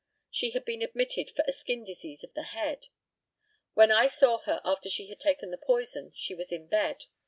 She had been admitted for a skin disease of the head. When I saw her after she had taken the poison she was in bed.